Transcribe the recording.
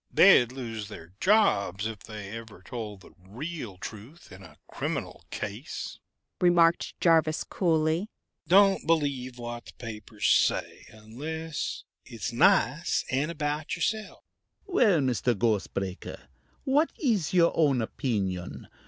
They'd lose their jobs if they ever told the real truth in a criminal case," remarked Jarvis coolly. "Don't believe what the papers say unless it's nice and about yourself!" "Well, Mr. Ghost Breaker, what is your own opinion?